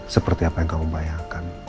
seperti apa yang kamu bayangkan